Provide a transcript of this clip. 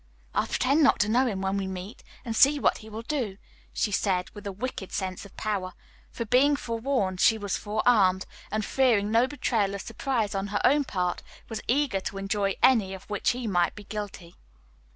"I'll pretend not to know him, when we meet, and see what he will do," she said, with a wicked sense of power; for being forewarned she was forearmed, and, fearing no betrayal of surprise on her own part, was eager to enjoy any of which he might be guilty.